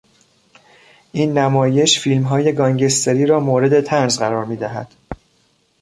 این نمایش فیلمهای گانگستری را مورد طنز قرار میدهد.